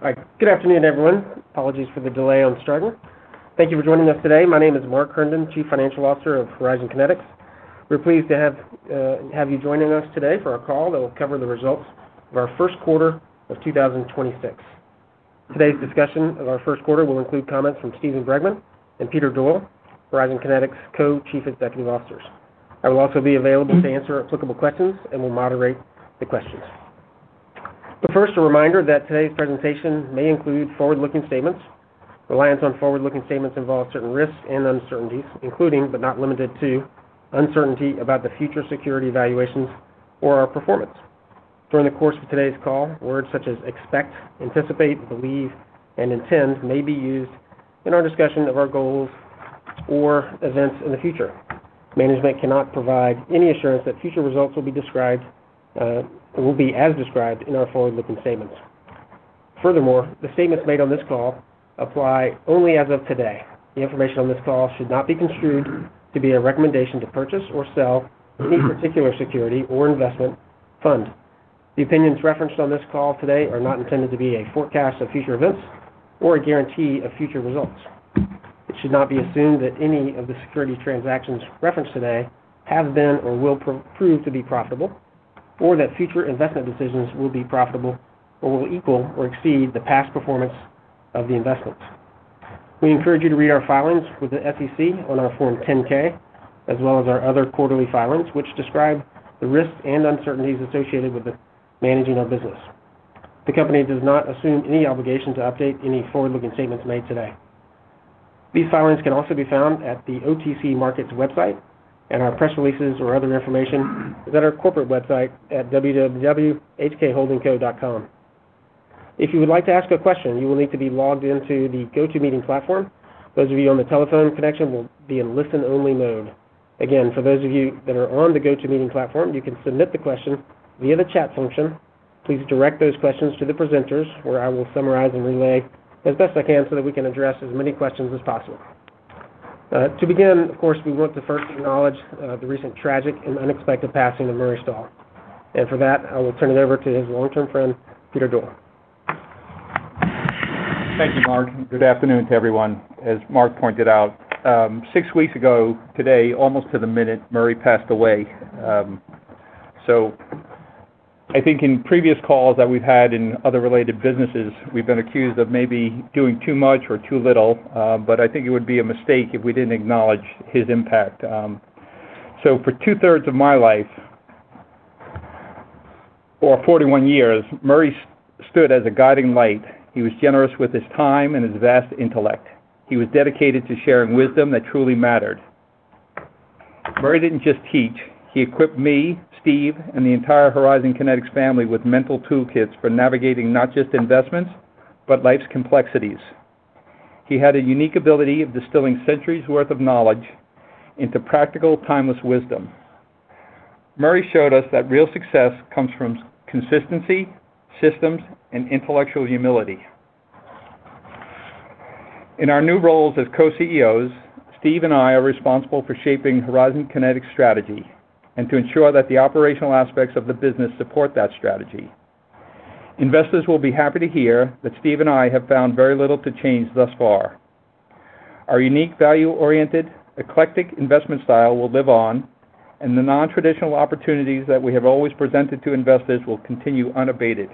All right. Good afternoon, everyone. Apologies for the delay on starting. Thank you for joining us today. My name is Mark Herndon, Chief Financial Officer of Horizon Kinetics. We're pleased to have you joining us today for our call that will cover the results of our first quarter of 2026. Today's discussion of our first quarter will include comments from Steven Bregman and Peter Doyle, Horizon Kinetics' Co-Chief Executive Officers. I will also be available to answer applicable questions and will moderate the questions. First, a reminder that today's presentation may include forward-looking statements. Reliance on forward-looking statements involve certain risks and uncertainties, including but not limited to uncertainty about the future security evaluations or our performance. During the course of today's call, words such as expect, anticipate, believe, and intend may be used in our discussion of our goals or events in the future. Management cannot provide any assurance that future results will be as described in our forward-looking statements. The statements made on this call apply only as of today. The information on this call should not be construed to be a recommendation to purchase or sell any particular security or investment fund. The opinions referenced on this call today are not intended to be a forecast of future events or a guarantee of future results. It should not be assumed that any of the security transactions referenced today have been or will prove to be profitable, or that future investment decisions will be profitable or will equal or exceed the past performance of the investments. We encourage you to read our filings with the SEC on our Form 10-K, as well as our other quarterly filings, which describe the risks and uncertainties associated with the managing our business. The company does not assume any obligation to update any forward-looking statements made today. These filings can also be found at the OTC Markets website and our press releases or other information at our corporate website at www.hkholdingsco.com. If you would like to ask a question, you will need to be logged into the GoToMeeting platform. Those of you on the telephone connection will be in listen-only mode. Again, for those of you that are on the GoToMeeting platform, you can submit the question via the chat function. Please direct those questions to the presenters, where I will summarize and relay as best I can so that we can address as many questions as possible. To begin, of course, we want to first acknowledge the recent tragic and unexpected passing of Murray Stahl. For that, I will turn it over to his long-term friend, Peter Doyle. Thank you, Mark. Good afternoon to everyone. As Mark pointed out, six weeks ago today, almost to the minute, Murray passed away. I think in previous calls that we've had in other related businesses, we've been accused of maybe doing too much or too little, but I think it would be a mistake if we didn't acknowledge his impact. For two-thirds of my life, for 41 years, Murray stood as a guiding light. He was generous with his time and his vast intellect. He was dedicated to sharing wisdom that truly mattered. Murray didn't just teach. He equipped me, Steve, and the entire Horizon Kinetics family with mental toolkits for navigating not just investments, but life's complexities. He had a unique ability of distilling centuries' worth of knowledge into practical, timeless wisdom. Murray showed us that real success comes from consistency, systems, and intellectual humility. In our new roles as Co-CEOs, Steve and I are responsible for shaping Horizon Kinetics' strategy and to ensure that the operational aspects of the business support that strategy. Investors will be happy to hear that Steve and I have found very little to change thus far. Our unique value-oriented, eclectic investment style will live on, and the non-traditional opportunities that we have always presented to investors will continue unabated.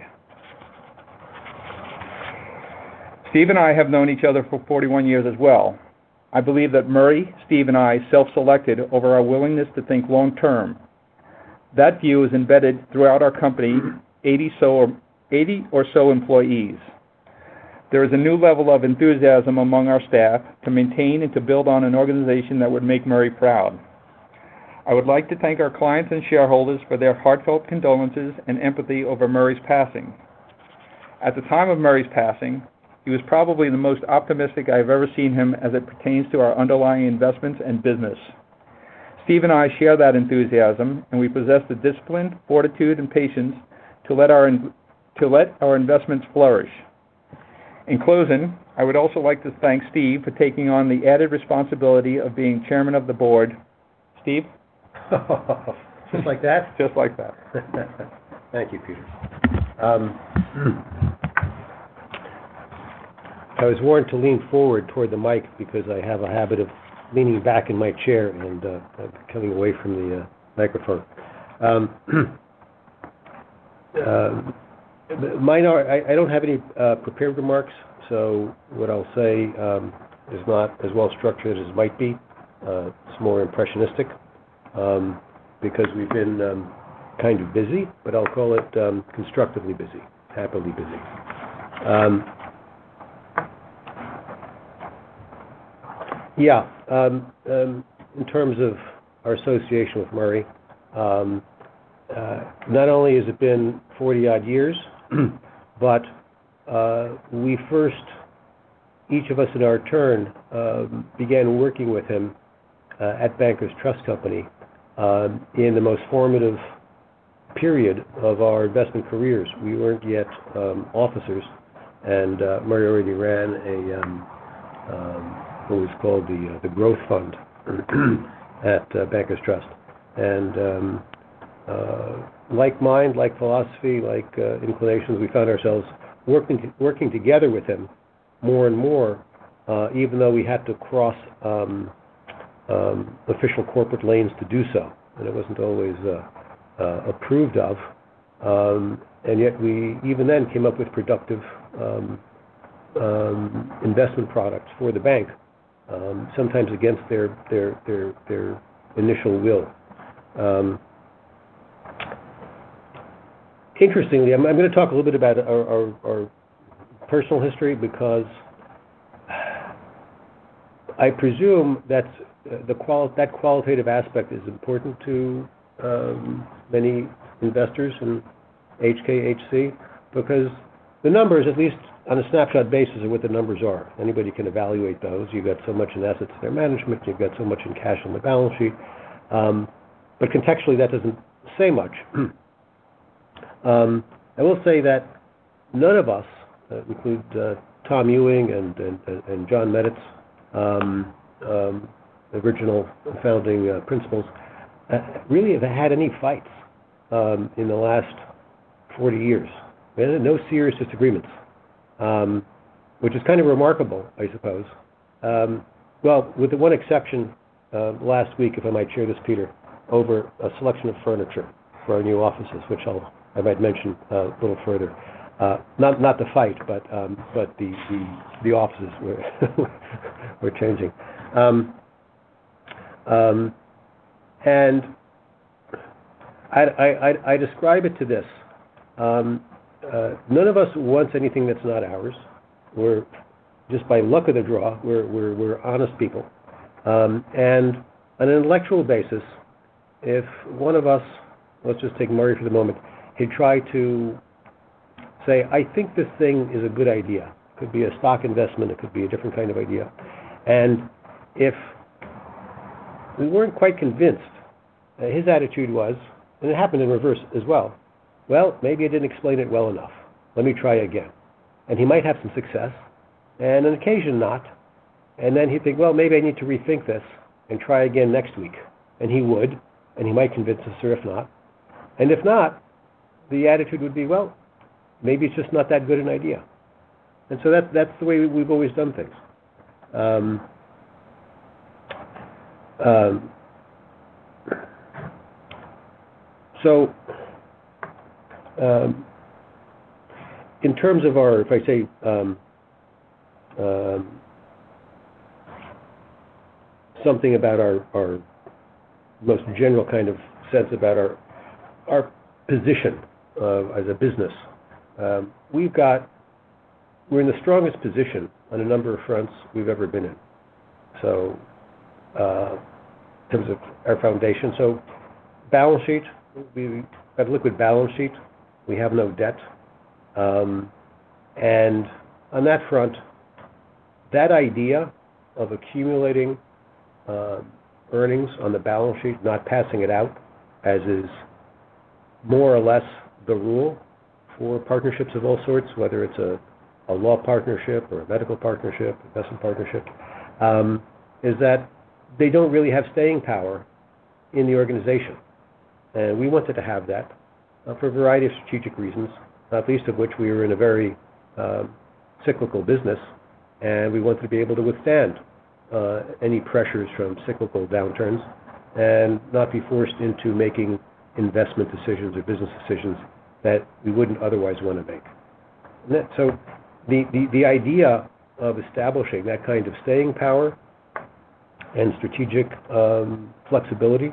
Steve and I have known each other for 41 years as well. I believe that Murray, Steve, and I self-selected over our willingness to think long term. That view is embedded throughout our company, 80 or so employees. There is a new level of enthusiasm among our staff to maintain and to build on an organization that would make Murray proud. I would like to thank our clients and shareholders for their heartfelt condolences and empathy over Murray's passing. At the time of Murray's passing, he was probably the most optimistic I have ever seen him as it pertains to our underlying investments and business. Steve and I share that enthusiasm, and we possess the discipline, fortitude, and patience to let our investments flourish. In closing, I would also like to thank Steve for taking on the added responsibility of being Chairman of the Board. Steve? Just like that? Just like that. Thank you, Peter. I was warned to lean forward toward the mic because I have a habit of leaning back in my chair and coming away from the microphone. I don't have any prepared remarks, what I'll say is not as well-structured as it might be. It's more impressionistic, because we've been kind of busy, but I'll call it constructively busy, happily busy. In terms of our association with Murray, not only has it been 40-odd years, but we first, each of us in our turn, began working with him at Bankers Trust Company in the most formative period of our investment careers. We weren't yet officers, and Murray already ran a. What was called the growth fund at Bankers Trust. Like mind, like philosophy, like inclinations, we found ourselves working together with him more and more, even though we had to cross official corporate lanes to do so. It wasn't always approved of. Yet we even then came up with productive investment products for the bank, sometimes against their initial will. Interestingly, I'm gonna talk a little bit about our personal history because I presume that qualitative aspect is important to many investors in HKHC because the numbers, at least on a snapshot basis, are what the numbers are. Anybody can evaluate those. You've got so much in assets under management. You've got so much in cash on the balance sheet. Contextually, that doesn't say much. I will say that none of us includes Thomas Ewing and John Meditz, original founding principals, really have had any fights in the last 40 years. There's been no serious disagreements, which is kind of remarkable, I suppose. Well, with the one exception, last week, if I might share this, Peter, over a selection of furniture for our new offices, which I might mention a little further. Not to fight, the offices were changing. I describe it to this. None of us wants anything that's not ours. We're just by luck of the draw, we're honest people. On an intellectual basis, if one of us, let's just take Murray for the moment, he tried to say, "I think this thing is a good idea." It could be a stock investment. It could be a different kind of idea. If we weren't quite convinced, his attitude was, and it happened in reverse as well, "Well, maybe I didn't explain it well enough. Let me try again." He might have some success, and on occasion not. Then he'd think, "Well, maybe I need to rethink this and try again next week." He would, and he might convince us or if not. If not, the attitude would be, "Well, maybe it's just not that good an idea." That's, that's the way we've always done things. In terms of our, if I say something about our most general kind of sense about our position, as a business, we're in the strongest position on a number of fronts we've ever been in. In terms of our foundation. Balance sheet, we have liquid balance sheet. We have no debt. On that front, that idea of accumulating earnings on the balance sheet, not passing it out as is more or less the rule for partnerships of all sorts, whether it's a law partnership or a medical partnership, investment partnership, is that they don't really have staying power in the organization. We wanted to have that for a variety of strategic reasons, not least of which we were in a very cyclical business, and we want to be able to withstand any pressures from cyclical downturns and not be forced into making investment decisions or business decisions that we wouldn't otherwise want to make. The idea of establishing that kind of staying power and strategic flexibility,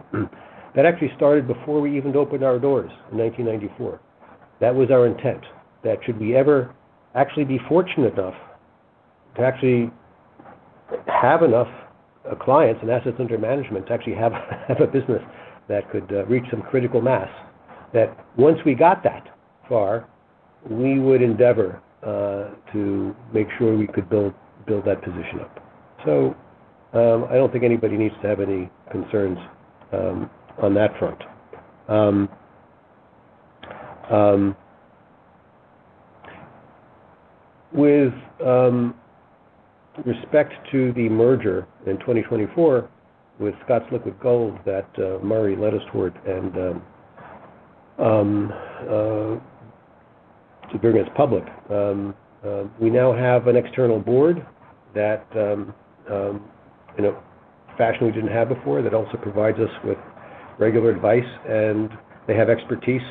that actually started before we even opened our doors in 1994. That was our intent, that should we ever actually be fortunate enough to actually have enough clients and assets under management to actually have a business that could reach some critical mass, that once we got that far, we would endeavor to make sure we could build that position up. I don't think anybody needs to have any concerns on that front. With respect to the merger in 2024 with Scott's Liquid Gold that Murray led us toward and to bring us public, we now have an external board that in a fashion we didn't have before that also provides us with regular advice, and they have expertise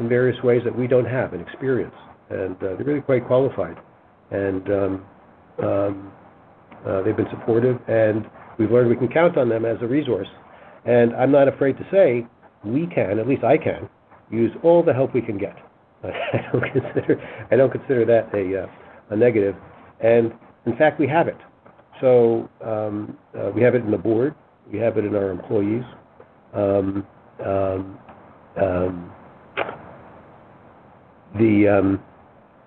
in various ways that we don't have and experience. They're really quite qualified. They've been supportive, and we've learned we can count on them as a resource. I'm not afraid to say we can, at least I can, use all the help we can get. I don't consider that a negative. In fact, we have it. We have it in the board. We have it in our employees.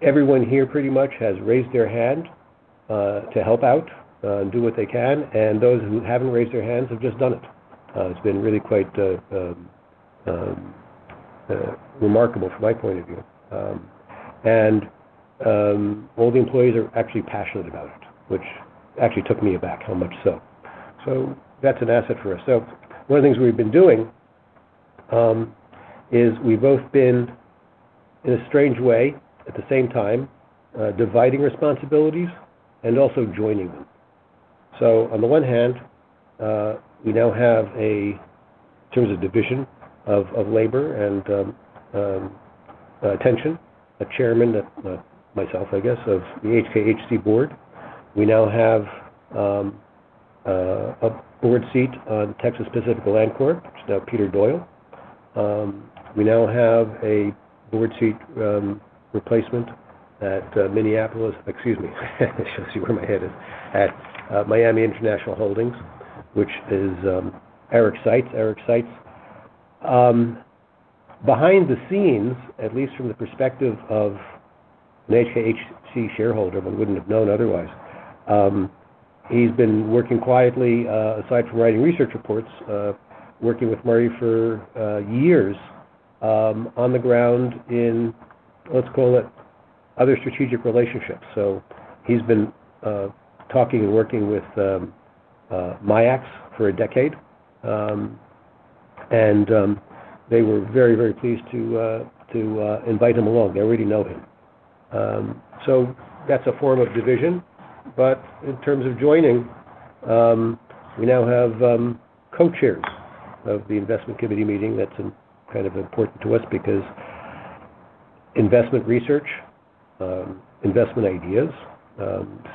Everyone here pretty much has raised their hand to help out and do what they can. And those who haven't raised their hands have just done it. It's been really quite remarkable from my point of view. And all the employees are actually passionate about it, which actually took me aback how much so. That's an asset for us. One of the things we've been doing is we've both been, in a strange way, at the same time, dividing responsibilities and also joining them. On the one hand, we now have a, in terms of division of labor and attention, a chairman that, myself, I guess, of the HKHC board. We now have a board seat on Texas Pacific Land Corp., which is now Peter Doyle. We now have a board seat replacement at Miami International Holdings, which is Eric Seitz. Eric Seitz, behind the scenes, at least from the perspective of an HKHC shareholder, but wouldn't have known otherwise, he's been working quietly, aside from writing research reports, working with Murray for years on the ground in other strategic relationships. He's been talking and working with MIAX for a decade. They were very, very pleased to invite him along. They already know him. That's a form of division. In terms of joining, we now have co-chairs of the investment committee meeting. That's kind of important to us because investment research, investment ideas,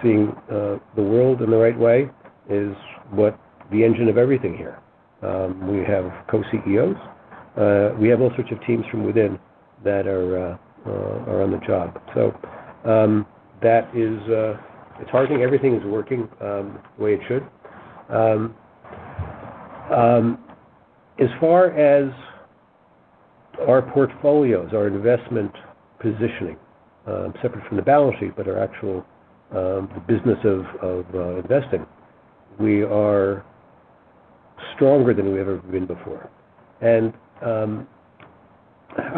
seeing the world in the right way is the engine of everything here. We have co-CEOs. We have all sorts of teams from within that are on the job. That is targeting everything is working the way it should. As far as our portfolios, our investment positioning, separate from the balance sheet, but our actual the business of investing, we are stronger than we've ever been before. How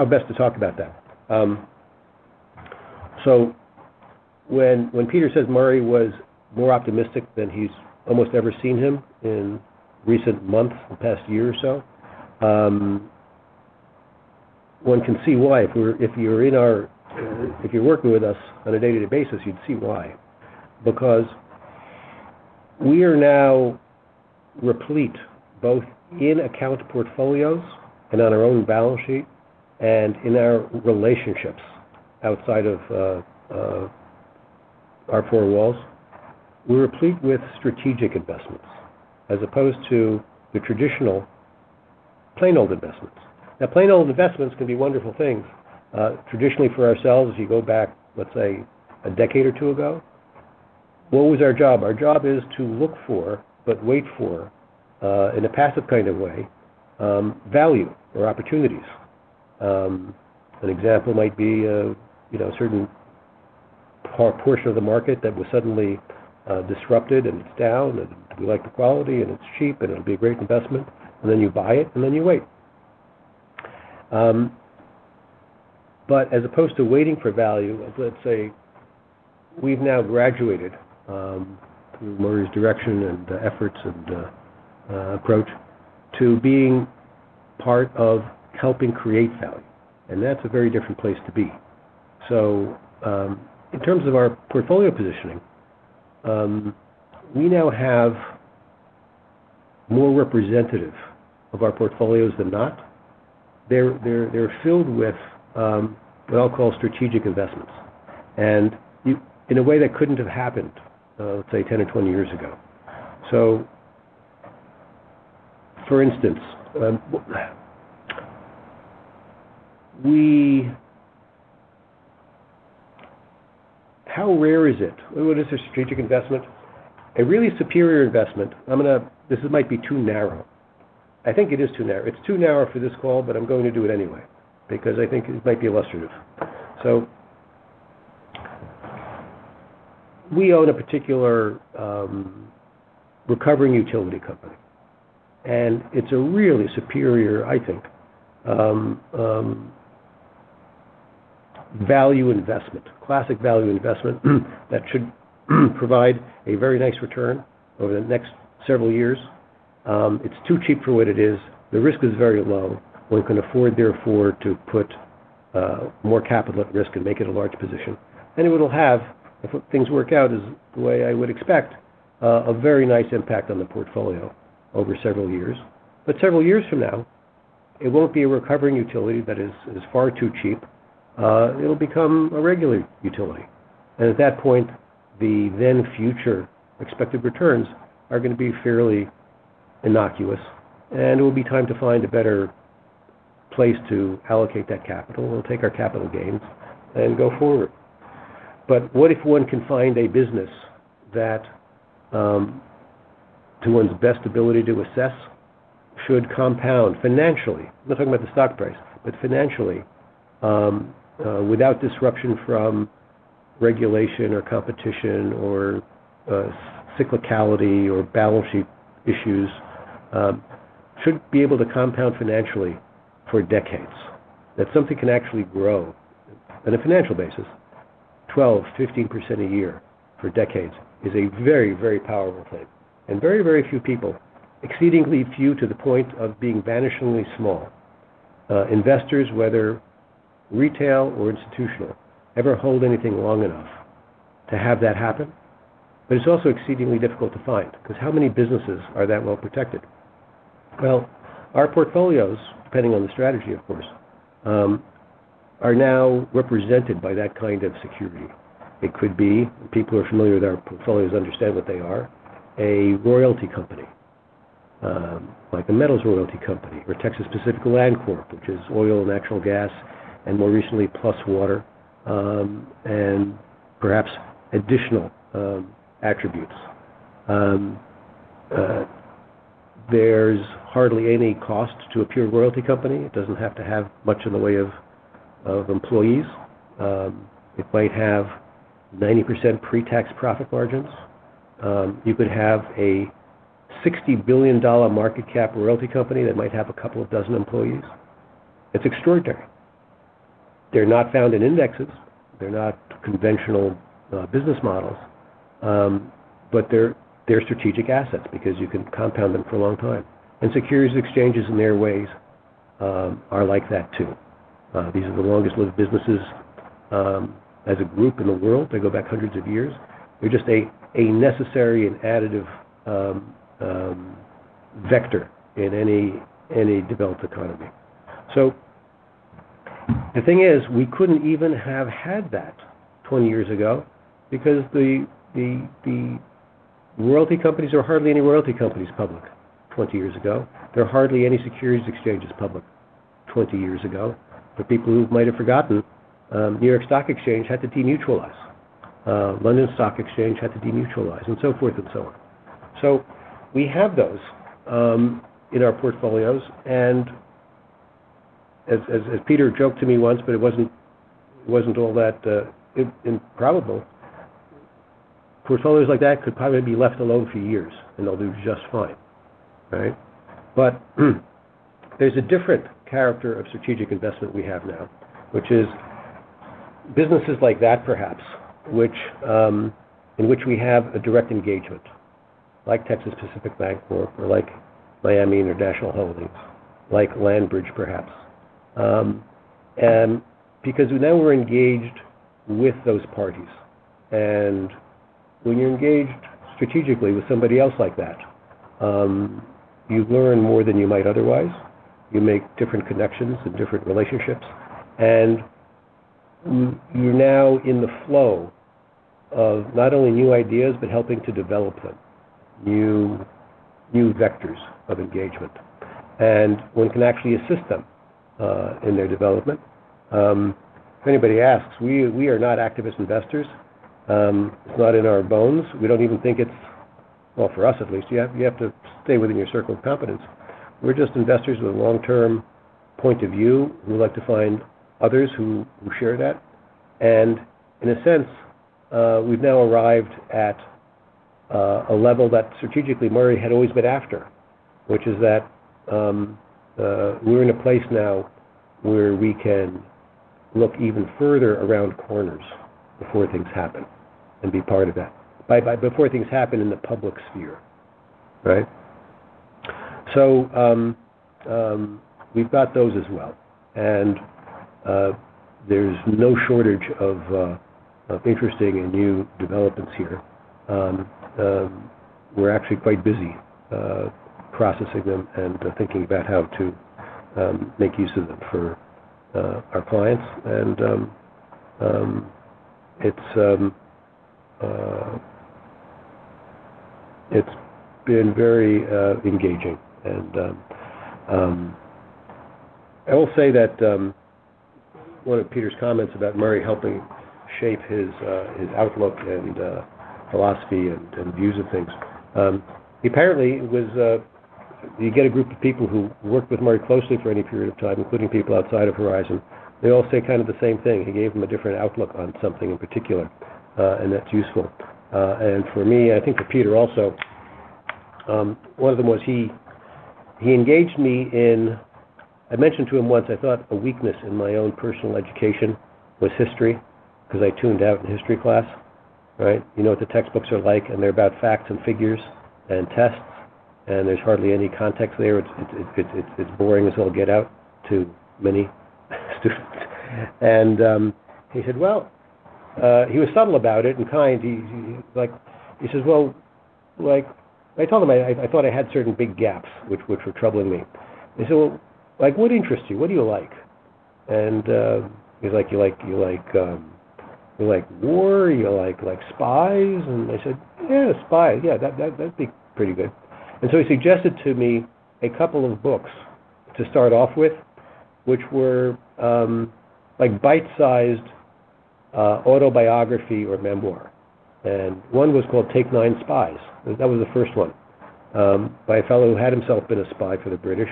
best to talk about that? When Peter says Murray was more optimistic than he's almost ever seen him in recent months, the past year or so, one can see why. If you're working with us on a day-to-day basis, you'd see why. We are now replete both in account portfolios and on our own balance sheet and in our relationships outside of our four walls. We're replete with strategic investments as opposed to the traditional plain old investments. Plain old investments can be wonderful things. Traditionally for ourselves, as you go back, let's say, a decade or two ago, what was our job? Our job is to look for, but wait for, in a passive kind of way, value or opportunities. An example might be, a certain portion of the market that was suddenly disrupted and it's down, and we like the quality, and it's cheap, and it'll be a great investment. Then you buy it, then you wait. As opposed to waiting for value, let's say we've now graduated through Murray's direction and efforts and approach to being part of helping create value. That's a very different place to be. In terms of our portfolio positioning, we now have more representative of our portfolios than not. They're filled with what I'll call strategic investments. In a way that couldn't have happened, let's say 10 or 20 years ago. For instance, How rare is it? What is a strategic investment? A really superior investment. This might be too narrow. I think it is too narrow. It's too narrow for this call, but I'm going to do it anyway because I think it might be illustrative. We own a particular recovering utility company, and it's a really superior, I think, value investment. Classic value investment that should provide a very nice return over the next several years. It's too cheap for what it is. The risk is very low. One can afford therefore to put more capital at risk and make it a large position. It'll have, if things work out as the way I would expect, a very nice impact on the portfolio over several years. Several years from now, it won't be a recovering utility that is far too cheap. It'll become a regular utility. At that point, the then future expected returns are gonna be fairly innocuous, and it will be time to find a better place to allocate that capital. We'll take our capital gains and go forward. What if one can find a business that, to one's best ability to assess, should compound financially? I'm not talking about the stock price, but financially, without disruption from regulation or competition or cyclicality or balance sheet issues should be able to compound financially for decades. That something can actually grow on a financial basis 12%-15% a year for decades is a very, very powerful thing. Very, very few people, exceedingly few to the point of being vanishingly small investors, whether retail or institutional, ever hold anything long enough to have that happen. It's also exceedingly difficult to find because how many businesses are that well protected? Well, our portfolios, depending on the strategy, of course, are now represented by that kind of security. It could be people are familiar with our portfolios, understand what they are, a royalty company like a metals royalty company or Texas Pacific Land Corp., which is oil and natural gas and more recently plus water and perhaps additional attributes. There's hardly any cost to a pure royalty company. It doesn't have to have much in the way of employees. It might have 90% pre-tax profit margins. You could have a $60 billion market cap royalty company that might have a couple of dozen employees. It's extraordinary. They're not found in indexes. They're not conventional business models. They're strategic assets because you can compound them for a long time. Securities exchanges in their ways are like that too. These are the longest lived businesses as a group in the world. They go back hundreds of years. They're just a necessary and additive vector in any developed economy. The thing is, we couldn't even have had that 20 years ago because the royalty companies are hardly any royalty companies public 20 years ago. There are hardly any securities exchanges public 20 years ago. For people who might have forgotten, New York Stock Exchange had to demutualize. London Stock Exchange had to demutualize and so forth and so on. We have those in our portfolios. As Peter joked to me once, but it wasn't all that improbable, portfolios like that could probably be left alone for years and they'll do just fine. There's a different character of strategic investment we have now, which is businesses like that perhaps in which we have a direct engagement like Texas Pacific Land Corporation or like Miami International Holdings, like LandBridge perhaps. Because now we're engaged with those parties. When you're engaged strategically with somebody else like that, you learn more than you might otherwise. You make different connections and different relationships. You're now in the flow of not only new ideas, but helping to develop them, new vectors of engagement. One can actually assist them in their development. If anybody asks, we are not activist investors. It's not in our bones. We don't even think it's, well, for us at least, you have to stay within your circle of competence. We're just investors with a long-term point of view. We like to find others who share that. In a sense, we've now arrived at a level that strategically Murray had always been after, which is that we're in a place now where we can look even further around corners before things happen and be part of that. Before things happen in the public sphere, right? We've got those as well. There's no shortage of interesting and new developments here. We're actually quite busy processing them and thinking about how to make use of them for our clients. It's been very engaging. I will say that one of Peter's comments about Murray helping shape his outlook and philosophy and views of things. Apparently, you get a group of people who work with Murray closely for any period of time, including people outside of Horizon. They all say kind of the same thing. He gave them a different outlook on something in particular, and that's useful. For me, I think for Peter also, one of them was he engaged me in, I mentioned to him once I thought a weakness in my own personal education was history because I tuned out in history class, right? You know what the textbooks are like, and they're about facts and figures and tests, and there's hardly any context there. It's boring as hell to get out to many students. He said, well, he was subtle about it and kind. He says, well, I told him I thought I had certain big gaps which were troubling me. He said, well, what interests you? What do you like? He's like, you like war? You like spies? I said, yeah, spies. Yeah, that'd be pretty good. He suggested to me a couple of books to start off with, which were like bite-sized autobiography or memoir. One was called "Take Nine Spies". That was the first one by a fellow who had himself been a spy for the British.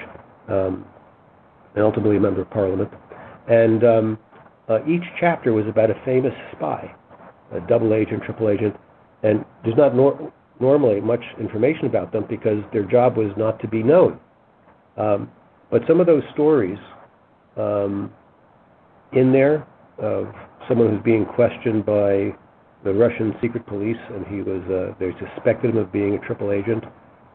Ultimately a member of Parliament. Each chapter was about a famous spy, a double agent, triple agent, and there's not normally much information about them because their job was not to be known. Some of those stories in there of someone who's being questioned by the Russian secret police, and he was, they suspected him of being a triple agent.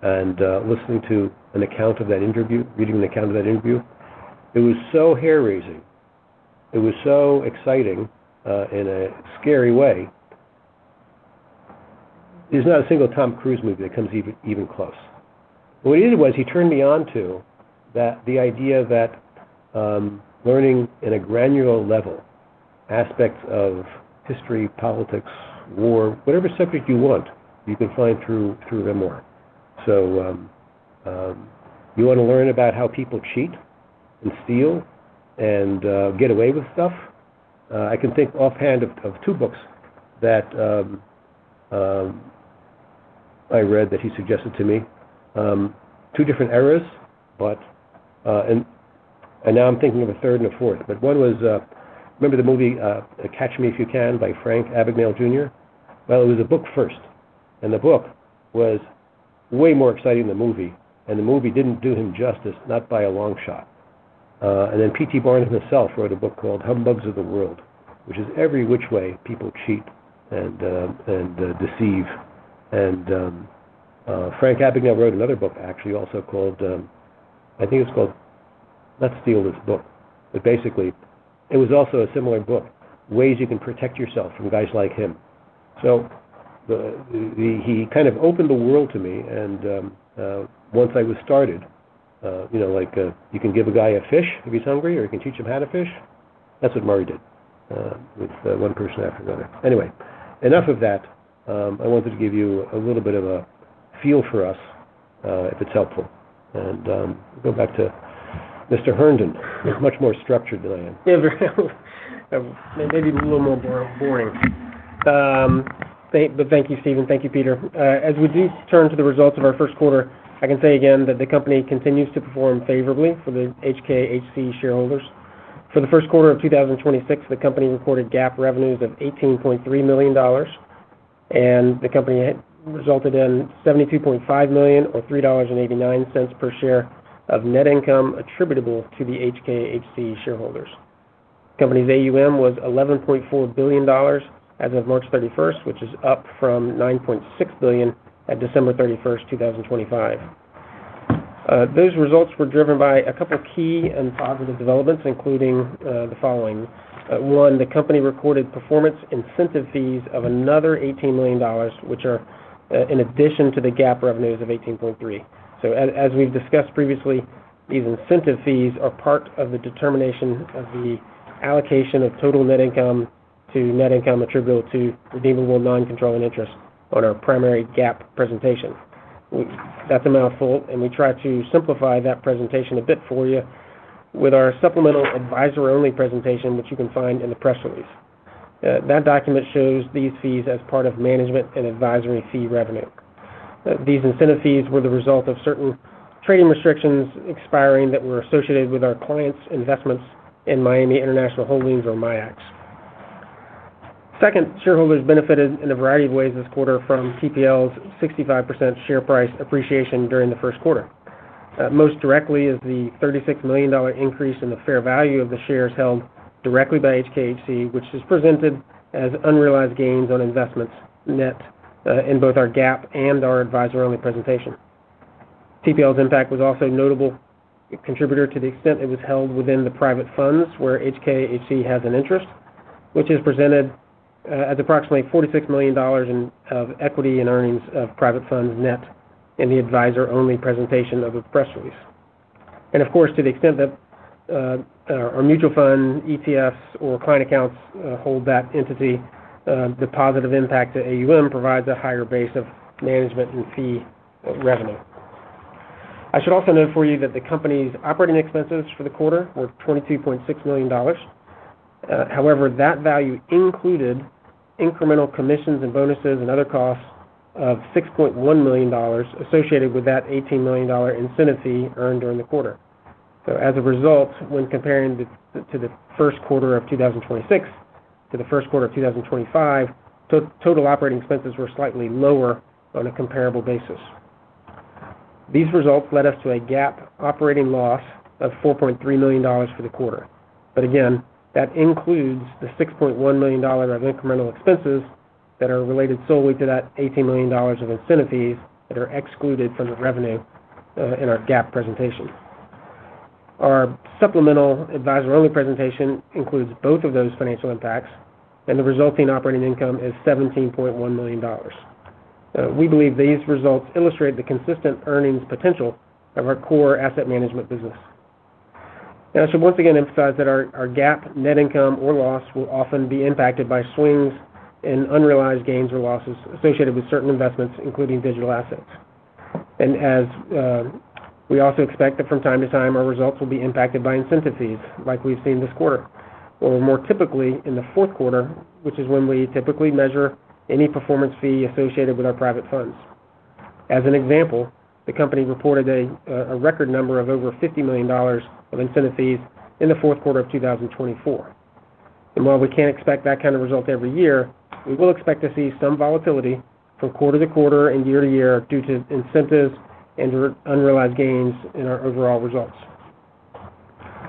Listening to an account of that interview, reading an account of that interview, it was so hair-raising. It was so exciting in a scary way. There's not a single Tom Cruise movie that comes even close. What he did was he turned me on to the idea that learning in a granular level aspects of history, politics, war, whatever subject you want, you can find through memoir. You wanna learn about how people cheat and steal and get away with stuff? I can think offhand of two books that I read that he suggested to me. Two different eras, and now I'm thinking of a third and a fourth. One was, remember the movie Catch Me If You Can by Frank Abagnale Jr.? It was a book first, the book was way more exciting than the movie, the movie didn't do him justice, not by a long shot. Barnum himself wrote a book called Humbugs of the World, which is every which way people cheat and deceive. Frank Abagnale wrote another book, actually, also called, I think it was called Let's Steal This Book. Basically, it was also a similar book, ways you can protect yourself from guys like him. He kind of opened the world to me and, once I was started, you know, like, you can give a guy a fish if he's hungry, or you can teach him how to fish. That's what Murray did with one person after another. Anyway, enough of that. I wanted to give you a little bit of a feel for us, if it's helpful. We'll go back to Mr. Herndon, who's much more structured than I am. Maybe even a little more boring. Thank you, Steven. Thank you, Peter. As we do turn to the results of our first quarter, I can say again that the company continues to perform favorably for the HKHC shareholders. For the first quarter of 2026, the company reported GAAP revenues of $18.3 million, the company had resulted in $72.5 million or $3.89 per share of net income attributable to the HKHC shareholders. Company's AUM was $11.4 billion as of March 31st, which is up from $9.6 billion at December 31st, 2025. Those results were driven by a couple key and positive developments, including the following. One, the company recorded performance incentive fees of another $18 million, which are in addition to the GAAP revenues of $18.3. As we've discussed previously, these incentive fees are part of the determination of the allocation of total net income to net income attributable to redeemable non-controlling interest on our primary GAAP presentation. That's a mouthful, and we try to simplify that presentation a bit for you with our supplemental advisor-only presentation, which you can find in the press release. That document shows these fees as part of management and advisory fee revenue. These incentive fees were the result of certain trading restrictions expiring that were associated with our clients' investments in Miami International Holdings or MIAX. Second, shareholders benefited in a variety of ways this quarter from TPL's 65% share price appreciation during the first quarter. Most directly is the $36 million increase in the fair value of the shares held directly by HKHC, which is presented as unrealized gains on investments net in both our GAAP and our advisor-only presentation. TPL's impact was also a notable contributor to the extent it was held within the private funds where HKHC has an interest, which is presented as approximately $46 million of equity and earnings of private funds net in the advisor-only presentation of the press release. Of course, to the extent that our mutual fund, ETFs or client accounts hold that entity, the positive impact to AUM provides a higher base of management and fee revenue. I should also note for you that the company's operating expenses for the quarter were $22.6 million. However, that value included incremental commissions and bonuses and other costs of $6.1 million associated with that $18 million incentive fee earned during the quarter. As a result, when comparing the first quarter of 2026 to the first quarter of 2025, total operating expenses were slightly lower on a comparable basis. These results led us to a GAAP operating loss of $4.3 million for the quarter. Again, that includes the $6.1 million of incremental expenses that are related solely to that $18 million of incentive fees that are excluded from the revenue in our GAAP presentation. Our supplemental advisor-only presentation includes both of those financial impacts, and the resulting operating income is $17.1 million. We believe these results illustrate the consistent earnings potential of our core asset management business. I should once again emphasize that our GAAP net income or loss will often be impacted by swings in unrealized gains or losses associated with certain investments, including digital assets. As we also expect that from time to time, our results will be impacted by incentive fees like we've seen this quarter, or more typically in the fourth quarter, which is when we typically measure any performance fee associated with our private funds. As an example, the company reported a record number of over $50 million of incentive fees in the fourth quarter of 2024. While we can't expect that kind of result every year, we will expect to see some volatility from quarter to quarter and year to year due to incentives and unrealized gains in our overall results.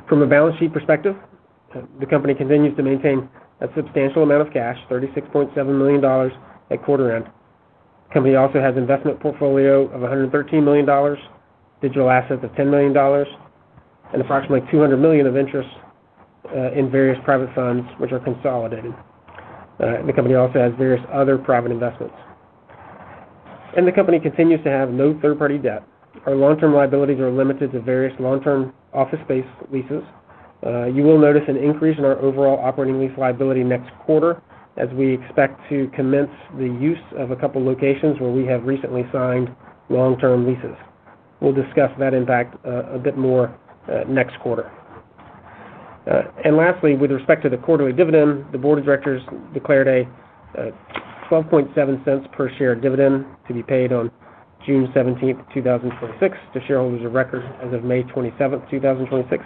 From a balance sheet perspective, the company continues to maintain a substantial amount of cash, $36.7 million at quarter end. Company also has investment portfolio of $113 million, digital assets of $10 million, and approximately $200 million of interest in various private funds which are consolidated. The company also has various other private investments. The company continues to have no third-party debt. Our long-term liabilities are limited to various long-term office space leases. You will notice an increase in our overall operating lease liability next quarter as we expect to commence the use of a couple locations where we have recently signed long-term leases. We'll discuss that, in fact, a bit more next quarter. Lastly, with respect to the quarterly dividend, the board of directors declared a $0.127 per share dividend to be paid on 17th June 2026 to shareholders of record as of 27th May 2026.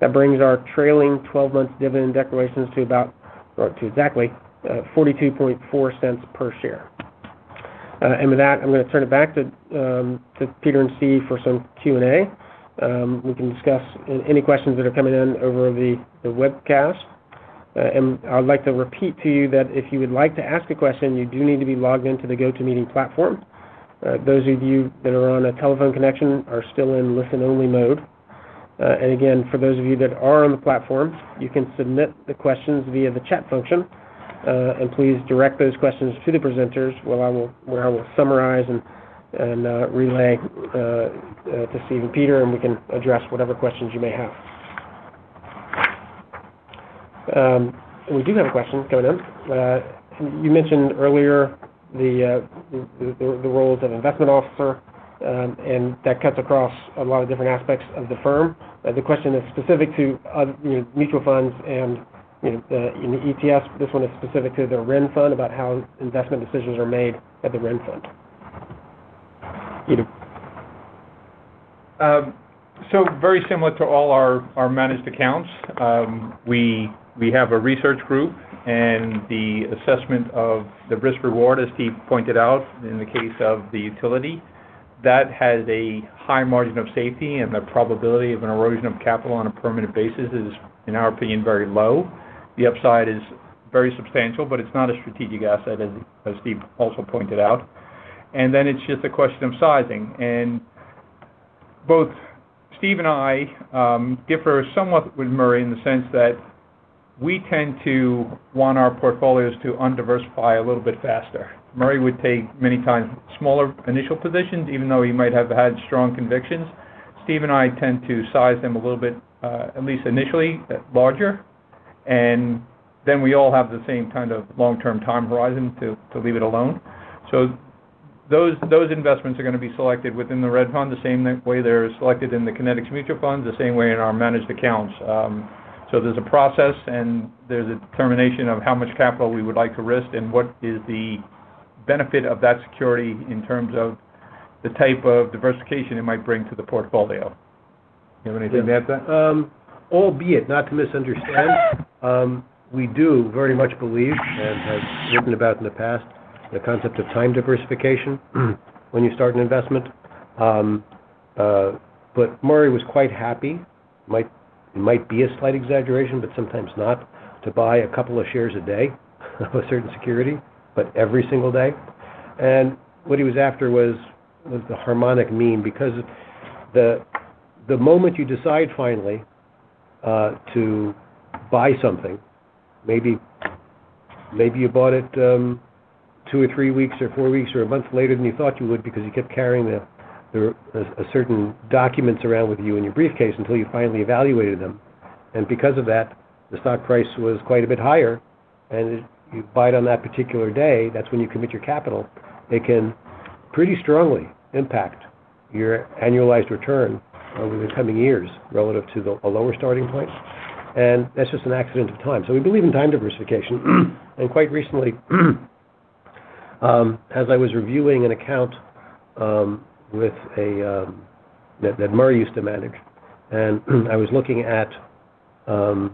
That brings our trailing 12-month dividend declarations to about, or to exactly, $0.424 per share. With that, I'm gonna turn it back to Peter and Steve for some Q&A. We can discuss any questions that are coming in over the webcast. I would like to repeat to you that if you would like to ask a question, you do need to be logged into the GoToMeeting platform. Those of you that are on a telephone connection are still in listen-only mode. Again, for those of you that are on the platform, you can submit the questions via the chat function, and please direct those questions to the presenters while I will, where I will summarize and relay to Steve and Peter, and we can address whatever questions you may have. We do have a question coming in. You mentioned earlier the role of an investment officer, and that cuts across a lot of different aspects of the firm. The question is specific to you know, mutual funds and, you know, in the ETFs. This one is specific to the RENN Fund about how investment decisions are made at the RENN Fund. Peter? Very similar to all our managed accounts, we have a research group, and the assessment of the risk reward, as Steve pointed out in the case of the utility, that has a high margin of safety, and the probability of an erosion of capital on a permanent basis is, in our opinion, very low. The upside is very substantial, but it's not a strategic asset, as Steve also pointed out. It's just a question of sizing. Both Steve and I differ somewhat with Murray in the sense that we tend to want our portfolios to undiversify a little bit faster. Murray would take many times smaller initial positions, even though he might have had strong convictions. Steve and I tend to size them a little bit, at least initially, larger. We all have the same kind of long-term time horizon to leave it alone. Those investments are gonna be selected within the RENN Fund the same way they're selected in the Kinetics Mutual Funds, the same way in our managed accounts. There's a process, and there's a determination of how much capital we would like to risk and what is the benefit of that security in terms of the type of diversification it might bring to the portfolio. You have anything to add to that? Albeit not to misunderstand, we do very much believe, and have written about in the past, the concept of time diversification when you start an investment. Murray was quite happy, might be a slight exaggeration, but sometimes not, to buy a couple of shares a day of a certain security, but every single day. What he was after was the harmonic mean, because the moment you decide finally to buy something, maybe you bought it two or three weeks or four weeks or a month later than you thought you would because you kept carrying the a certain documents around with you in your briefcase until you finally evaluated them. Because of that, the stock price was quite a bit higher. If you buy it on that particular day, that's when you commit your capital. It can pretty strongly impact your annualized return over the coming years relative to a lower starting point. That's just an accident of time. We believe in time diversification. Quite recently, as I was reviewing an account that Murray used to manage, and I was looking at the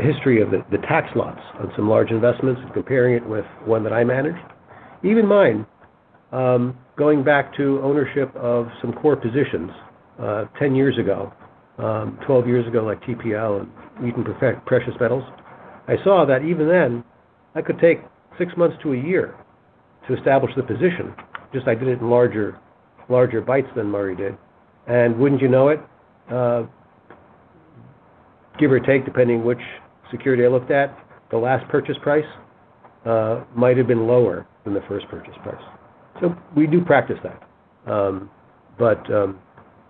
history of the tax lots on some large investments and comparing it with one that I managed. Even mine, going back to ownership of some core positions, 10 years ago, 12 years ago, like TPL and Wheaton Precious Metals. I saw that even then, I could take six months to a year to establish the position, just I did it in larger bites than Murray did. Wouldn't you know it, give or take, depending which security I looked at, the last purchase price might have been lower than the first purchase price. We do practice that. I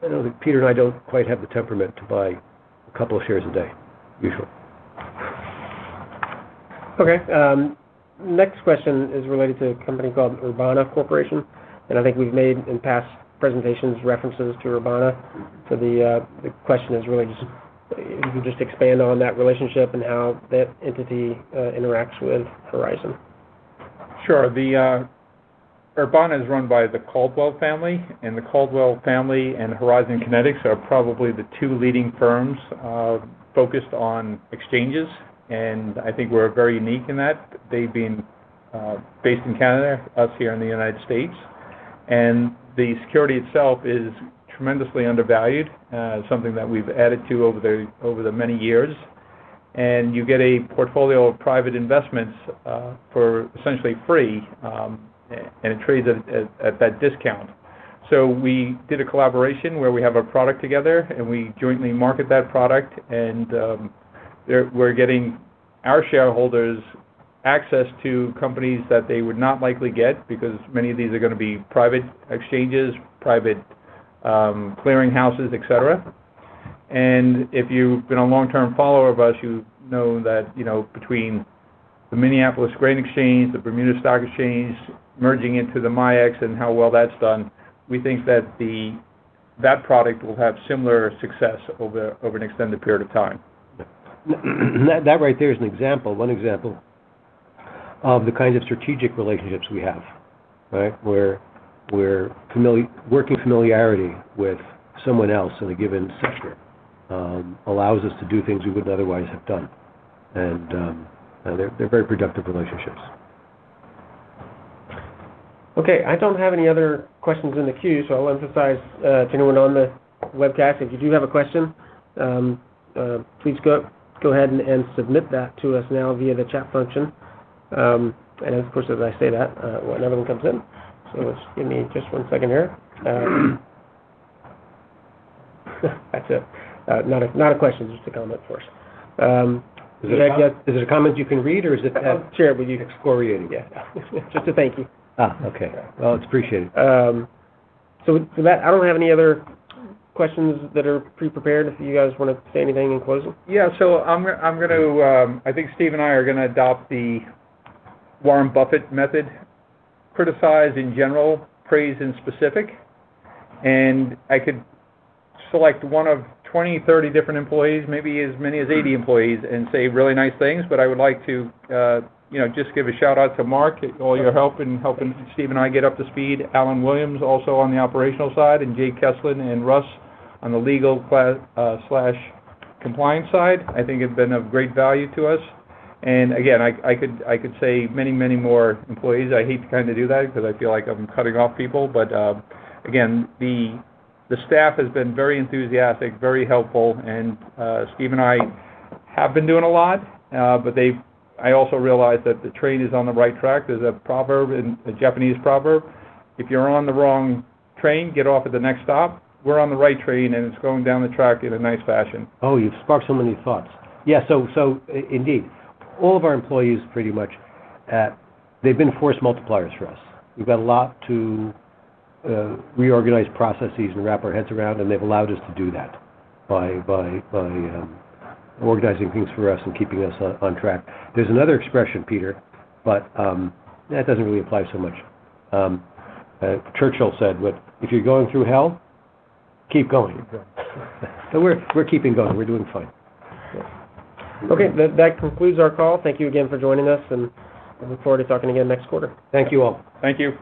know that Peter and I don't quite have the temperament to buy a couple of shares a day usually. Okay. Next question is related to a company called Urbana Corporation. I think we've made in past presentations references to Urbana. The question is really just if you could just expand on that relationship and how that entity interacts with Horizon. Sure. The Urbana is run by the Caldwell family. The Caldwell family and Horizon Kinetics are probably the two leading firms focused on exchanges, and I think we're very unique in that. They've been based in Canada, us here in the U.S., and the security itself is tremendously undervalued, something that we've added to over the many years. You get a portfolio of private investments for essentially free, and it trades at that discount. We did a collaboration where we have our product together, and we jointly market that product. We're getting our shareholders access to companies that they would not likely get because many of these are gonna be private exchanges, private clearing houses, et cetera. If you've been a long-term follower of us, you know that, you know, between the Minneapolis Grain Exchange, the Bermuda Stock Exchange merging into the MIAX and how well that's done, we think that product will have similar success over an extended period of time. Yeah. That right there is an example, one example of the kinds of strategic relationships we have, right? Where we're working familiarity with someone else in a given sector allows us to do things we wouldn't otherwise have done. They're very productive relationships. Okay, I don't have any other questions in the queue, so I'll emphasize to anyone on the webcast, if you do have a question, please go ahead and submit that to us now via the chat function. Of course, as I say that, another one comes in. Just give me just one second here. That's a not a question, just a comment for us. Is it a comment you can read? Sure. You can ignore it, yeah. Just a thank you. Okay. It's appreciated. With that, I don't have any other questions that are pre-prepared if you guys wanna say anything in closing. Yeah. I'm gonna, I think Steve and I are gonna adopt the Warren Buffett method, criticize in general, praise in specific. I could select one of 20, 30 different employees, maybe as many as 80 employees and say really nice things. I would like to, you know, just give a shout-out to Mark, all your help in helping Steve and I get up to speed. Alun Williams, also on the operational side, Jay Kesslen and Russ on the legal slash compliance side, I think have been of great value to us. Again, I could say many, many more employees. I hate to kinda do that because I feel like I'm cutting off people. Again, the staff has been very enthusiastic, very helpful, and Steve and I have been doing a lot. I also realize that the train is on the right track. There's a proverb, a Japanese proverb, "If you're on the wrong train, get off at the next stop." We're on the right train, it's going down the track in a nice fashion. Oh, you've sparked so many thoughts. Indeed, all of our employees, pretty much, they've been force multipliers for us. We've got a lot to reorganize processes and wrap our heads around, and they've allowed us to do that by organizing things for us and keeping us on track. There's another expression, Peter, but that doesn't really apply so much. Churchill said, what, "If you're going through hell, keep going. Keep going. We're keeping going. We're doing fine. Okay. That concludes our call. Thank you again for joining us. I look forward to talking again next quarter. Thank you, all. Thank you.